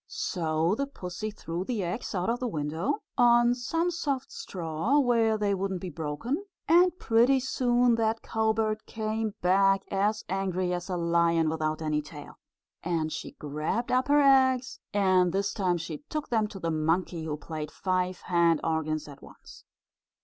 So the pussy threw the eggs out of the window, on some soft straw, where they wouldn't be broken, and pretty soon that cowbird came back, as angry as a lion without any tail. And she grabbed up her eggs, and this time she took them to the monkey, who played five hand organs at once.